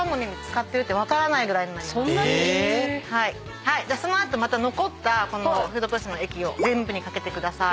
そんなに⁉その後また残ったフードプロセッサーの液を全部に掛けてください。